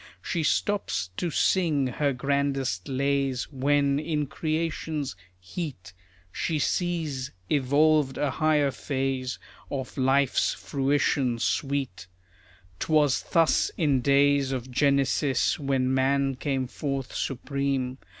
She stops to sing her grandest lays When, in creation's heat, She sees evolved a higher phase Of life's fruition sweet. 'Twas thus in days of Genesis, When man came forth supreme.